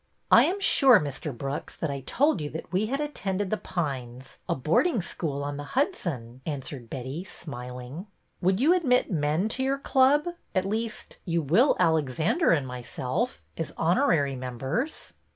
'' I am sure, Mr. Brooks, that I told you that we had attended The Pines, a boarding school on the Hudson," answered Betty, smiling. Would you admit men to your club ? At least, you will Alexander and myself, as honorary members."